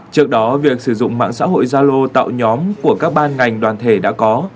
trước đó việc sử dụng mạng xã hội gia lô tạo nhóm của các ban ngành đoàn thể đã có